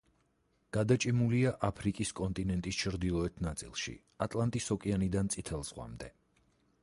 გადაჭიმულია აფრიკის კონტინენტის ჩრდილოეთ ნაწილში, ატლანტის ოკეანიდან წითელ ზღვამდე.